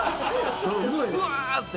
ぶわーって。